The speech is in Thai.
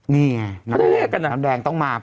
นี่ไงบางแรกต้องมา